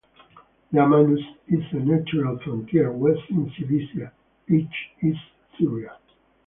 The Amanus is a natural frontier: west is Cilicia, east is Syria.